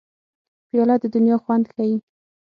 پیاله د دنیا خوند ښيي.